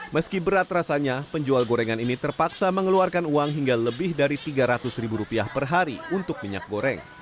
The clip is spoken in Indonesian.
meski berat rasanya penjual gorengan ini terpaksa mengeluarkan uang hingga lebih dari tiga ratus ribu rupiah per hari untuk minyak goreng